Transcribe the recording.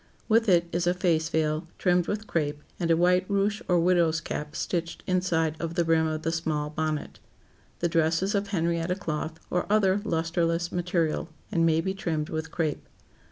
With it is a face veil, trimmed with crape, and a white ruche or "widow's cap" stitched inside of the brim of the small bonnet. The dress is of Henrietta cloth, or other lusterless material, and may be trimmed with crape.